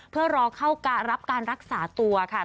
เพื่อรอเข้ารับการรักษาตัวค่ะ